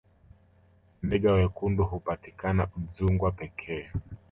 mbega wekundu hupatikana udzungwa pekee